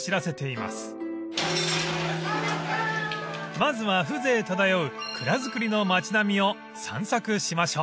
［まずは風情漂う蔵造りの町並みを散策しましょう］